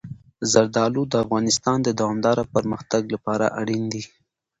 زردالو د افغانستان د دوامداره پرمختګ لپاره اړین دي.